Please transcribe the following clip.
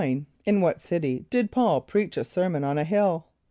= In what city did P[a:]ul preach a sermon on a hill?